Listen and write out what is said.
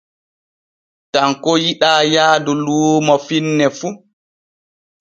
Tanko yiɗaa yaadu luumo finne fu.